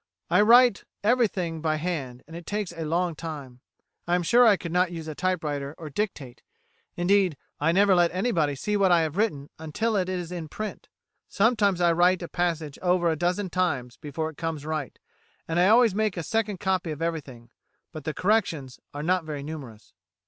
I write everything by hand, and it takes a long time. I am sure I could not use a typewriter, or dictate; indeed, I never let anybody see what I have written until it is in print. Sometimes I write a passage over a dozen times before it comes right, and I always make a second copy of everything, but the corrections are not very numerous."